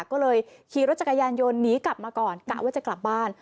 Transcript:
ก็เลยขี่รถจักรยานยนต์หนีกลับมาก่อนกะว่าจะกลับบ้าน